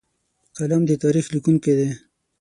قلم د تاریخ لیکونکی دی